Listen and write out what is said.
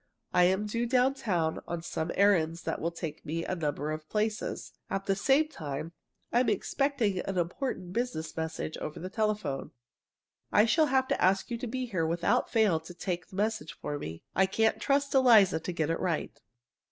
I'm due downtown on some errands that will take me to a number of places. And at the same time, I'm expecting an important business message over the telephone. I shall have to ask you to be here without fail to take the message for me. I can't trust Eliza to get it right.